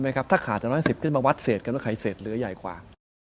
ถ้าขาดใน๑๕๐มาวัดเสจก็เป็นวัดค่ายเสจเหลือใหญ่กว่า